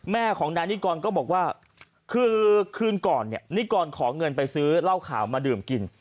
แม่ของนายนิกรก็บอกว่าคือคืนก่อนเนี่ยนิกรขอเงินไปซื้อเหล้าขาวมาดื่มกิน